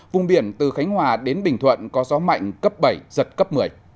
vùng biển từ khánh hòa đến bình thuận có gió mạnh cấp bảy giật cấp một mươi